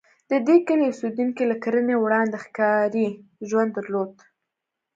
د دې کلي اوسېدونکي له کرنې وړاندې ښکاري ژوند درلود.